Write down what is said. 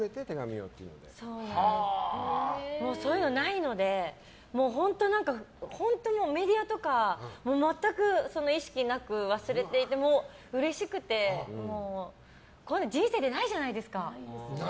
そういうのないので本当にメディアとか全く意識なく忘れていてもううれしくて、こういうの人生でないじゃないですか。